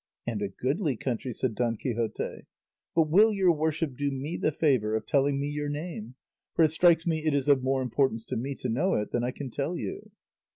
"And a goodly country," said Don Quixote; "but will your worship do me the favour of telling me your name, for it strikes me it is of more importance to me to know it than I can tell you."